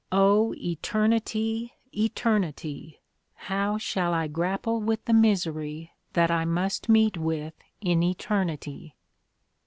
O Eternity! Eternity! how shall I grapple with the misery that I must meet with in Eternity!